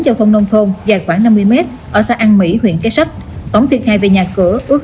giao thông nông thôn dài khoảng năm mươi mét ở xã an mỹ huyện kế sách tổng thiệt hại về nhà cửa ước